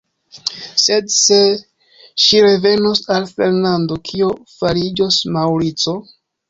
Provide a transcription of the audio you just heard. Sed se ŝi revenos al Fernando, kio fariĝos Maŭrico?